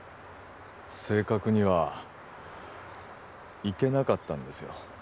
正確には行けなかったんですよ